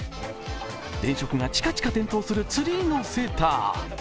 電飾がチカチカ点灯するツリーのセーター。